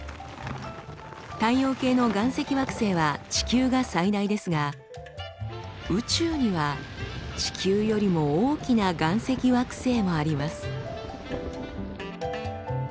太陽系の岩石惑星は地球が最大ですが宇宙には地球よりも大きな岩石惑星もあります。